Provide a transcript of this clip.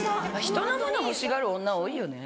人のもの欲しがる女多いよね。